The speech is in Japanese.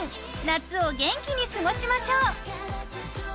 夏を元気に過ごしましょう。